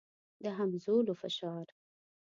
د همځولو فشار.